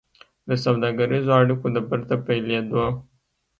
د سوداګريزو اړيکو د بېرته پيلېدو